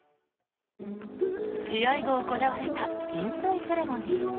試合後行われた引退セレモニー。